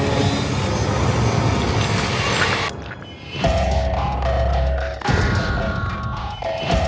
ผมจะหาใจที่พี่กำลังปกติ